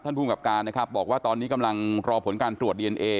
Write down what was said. ภูมิกับการนะครับบอกว่าตอนนี้กำลังรอผลการตรวจดีเอนเอ